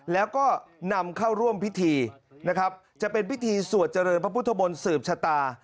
แล้วก็นำเข้าร่วมพิธีนะครับจะเป็นพิธีสวดเจริญพระพุทธมนต์สืบชะตา